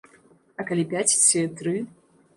А калі пяць ці тры?